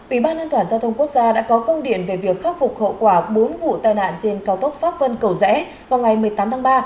ủy ban an toàn giao thông quốc gia đã có công điện về việc khắc phục hậu quả bốn vụ tai nạn trên cao tốc pháp vân cầu rẽ vào ngày một mươi tám tháng ba